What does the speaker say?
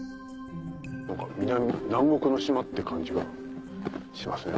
南国の島って感じがしますね